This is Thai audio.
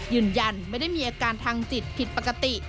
ยืนยันไม่ได้มีอาการทางจิตผิดปกติ